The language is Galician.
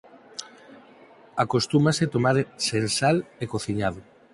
Acostúmase tomar sen sal e cociñado.